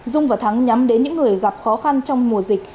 dung và thắng nhắm đến những người gặp khó khăn trong mùa dịch